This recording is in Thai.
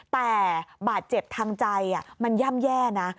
แต่บาดเจ็บทางใจมันย่ำแย่นะ